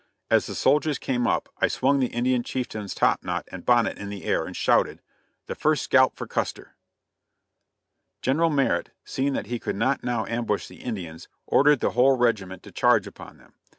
As the soldiers came up I swung the Indian chieftain's top knot and bonnet in the air, and shouted: "The first scalp for Custer." General Merritt, seeing that he could not now ambush the Indians, ordered the whole regiment to charge upon them.